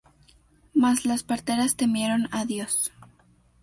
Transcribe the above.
Mas las parteras temieron á Dios.